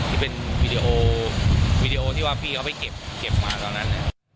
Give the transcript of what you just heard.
ที่เป็นวีดีโอวีดีโอที่ว่าพี่เขาไปเก็บมาตอนนั้น